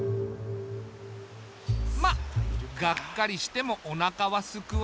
まあがっかりしてもおなかはすくわけで。